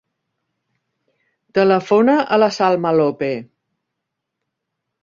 Telefona a la Salma Lope.